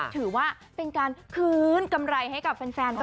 ถือว่าเป็นการคืนกำไรให้กับแฟนก็แล้วกันค่ะ